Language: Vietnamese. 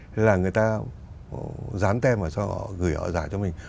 thì là người ta dán tem vào sau họ gửi họ giải cho mình